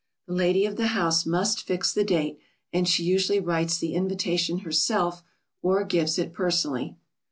The lady of the house must fix the date, and she usually writes the invitation herself or gives it personally.